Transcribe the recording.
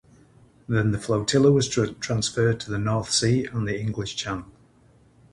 Then the flotilla was transferred to the North Sea and the English Channel.